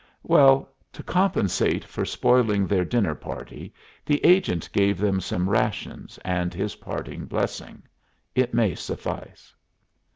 "Well, to compensate for spoiling their dinner party, the agent gave them some rations and his parting blessing. It may suffice."